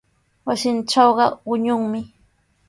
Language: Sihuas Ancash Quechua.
Wasiitrawqa quñunmi.